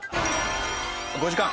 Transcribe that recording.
５時間。